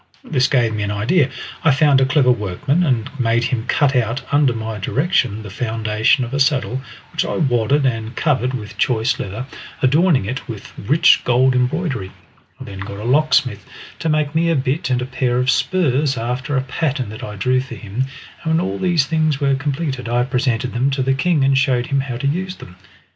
This gave me an idea. I found a clever workman, and made him cut out under my direction the foundation of a saddle, which I wadded and covered with choice leather, adorning it with rich gold embroidery. I then got a lock smith to make me a bit and a pair of spurs after a pattern that I drew for him, and when all these things were completed I presented them to the king and showed him how to use them.